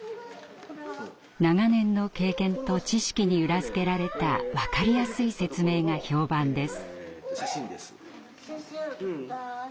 長年の経験と知識に裏付けられた分かりやすい説明が評判です。